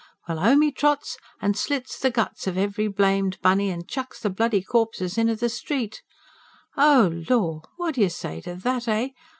Well, 'ome 'e trots an' slits the guts of every blamed bunny, an' chucks the bloody corpses inter the street. Oh lor! What do you say to that, eh?